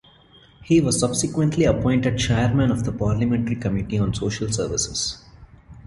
He was subsequently appointed Chairman of the parliamentary committee on Social Services.